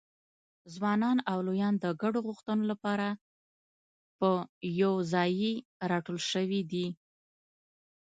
ځوانان او لویان د ګډو غوښتنو لپاره په یوځایي راټول شوي دي.